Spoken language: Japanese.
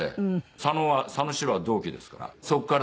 「佐野は佐野史郎は同期ですから」